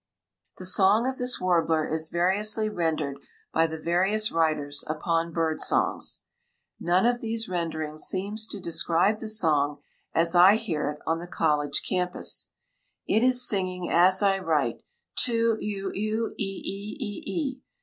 The song of this warbler is variously rendered by the various writers upon bird songs. None of these renderings seems to describe the song as I hear it on the college campus. It is singing as I write: "_Tu euu euu e e e e e!